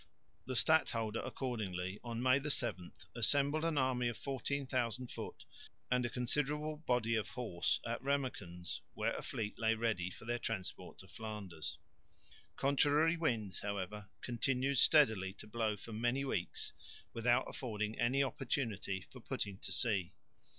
The stadholder accordingly assembled (May 7) an army of 14,000 foot and a considerable body of horse at Rammekens, where a fleet lay ready for their transport to Flanders. Contrary winds, however, continued steadily to blow for many weeks without affording any opportunity for putting to sea.